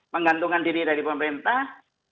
penggantungan diri dari pemerintah